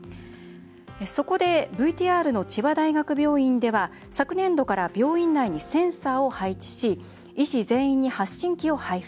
そこでＶＴＲの千葉大学病院では昨年度から病院内にセンサーを配置し医師全員に発信器を配付。